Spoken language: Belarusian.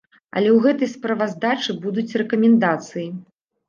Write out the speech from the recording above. Але ў гэтай справаздачы будуць рэкамендацыі.